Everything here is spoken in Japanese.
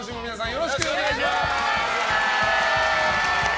よろしくお願いします。